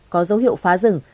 có dấu hiệu phá rừng